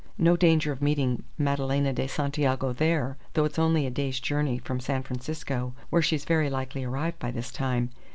No danger of meeting Madalena de Santiago there, though it's only a day's journey from San Francisco, where she's very likely arrived by this time.